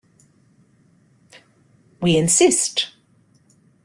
We Insist!